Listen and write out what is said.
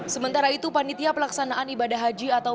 sementara itu panitia pelaksanaan ibadah haji atau